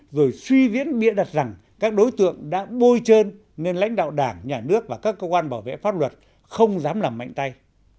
rồi suy viễn bịa đặt rằng các đối tượng đã bôi trơn nên lãnh đạo đảng nhà nước và các cơ quan bảo vệ pháp luật không dám làm mạnh tay